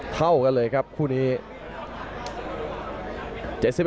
เท่ากันเลยครับคู่นี้